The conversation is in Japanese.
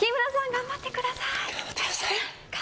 頑張ってください。